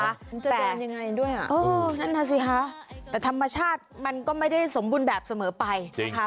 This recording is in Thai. แต่ยังไงด้วยอ่ะเออนั่นน่ะสิคะแต่ธรรมชาติมันก็ไม่ได้สมบูรณ์แบบเสมอไปนะคะ